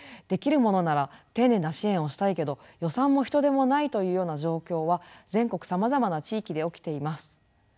できるものなら丁寧な支援をしたいけど予算も人手もないというような状況は全国さまざまな地域で起きています。